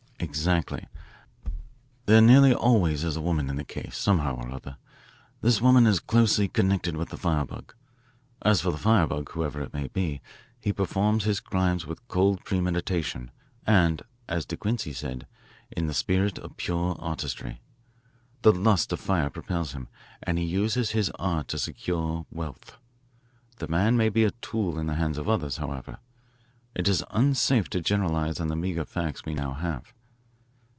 "Exactly. There nearly always is a woman in the case, somehow or other. This woman is closely connected with the firebug. As for the firebug, whoever it may be, he performs his crimes with cold premeditation and, as De Quincey said, in a spirit of pure artistry. The lust of fire propels him, and he uses his art to secure wealth. The man may be a tool in the hands of others, however. It's unsafe to generalise on the meagre facts we now have.